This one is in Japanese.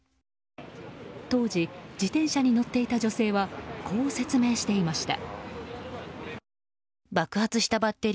当時、自転車に乗っていた女性はこう説明していました。